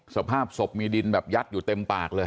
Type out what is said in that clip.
สภาพศพมีดินแบบยัดอยู่เต็มปากเลย